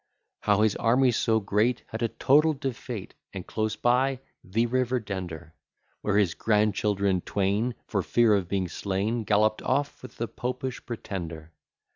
How his army so great, Had a total defeat, And close by the river Dender: Where his grandchildren twain, For fear of being slain, Gallop'd off with the Popish Pretender.